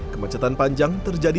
kemecetan panjang terjadi